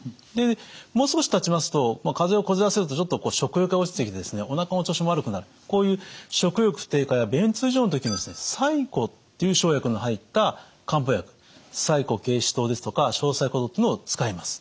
もう少したちますと風邪をこじらせるとちょっと食欲が落ちてきておなかの調子も悪くなるこういう食欲低下や便通異常の時には柴胡っていう生薬の入った漢方薬というのを使います。